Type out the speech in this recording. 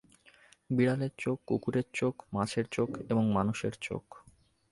বিড়ালের চোখ, কুকুরের চোখ, মাছের চোখ এবং মানুষের চোখ।